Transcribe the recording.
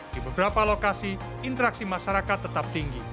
di beberapa lokasi interaksi masyarakat tetap tinggi